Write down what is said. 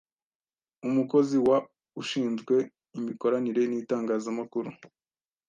Umukozi wa ushinzwe imikoranire n’itangazamakuru